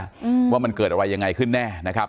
อืมว่ามันเกิดอะไรยังไงขึ้นแน่นะครับ